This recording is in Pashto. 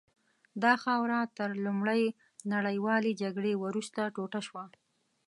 دا خاوره تر لومړۍ نړیوالې جګړې وروسته ټوټه شوه.